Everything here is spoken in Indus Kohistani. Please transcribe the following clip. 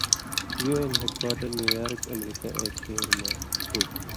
یُو اېناں ہېڈ کوارٹر نیویارک (امریکاں ایک شہر) مہ تُھو